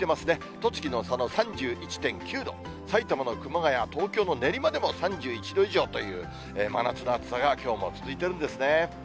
栃木の佐野３１．９度、埼玉の熊谷、東京の練馬でも３１度以上という、真夏の暑さがきょうも続いてるんですね。